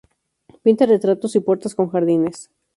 Pinta retratos y puertas con jardines.